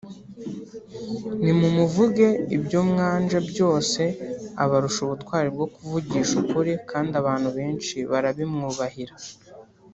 Nimumuvuge ibyo mwanjwa byose abarusha ubutwari bwo kuvugisha ukuri kandi abantu benshi barabimwubahira